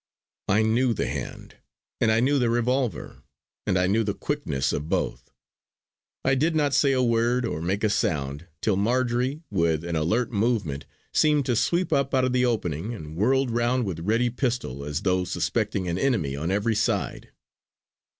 I knew the hand, and I knew the revolver, and I knew the quickness of both. I did not say a word or make a sound, till Marjory with an alert movement seemed to sweep up out of the opening and whirled round with ready pistol, as though suspecting an enemy on every side.